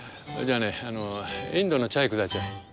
じゃあねインドのチャイくだチャイ。